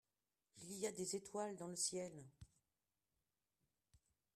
Il y a des étoiles dans le ciel.